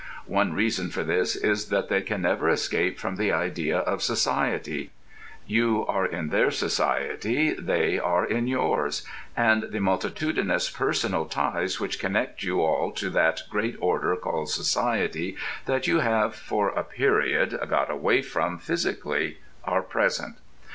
One reason for this is that they can never escape from the idea of society: You are in their society, they are in yours; and the multitudinous personal ties which connect you all to that great order called society that you have for a period got away from physically are present.